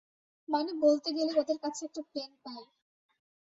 মানে বলতে গেলে ওদের কাছে একটা প্লেন পাই।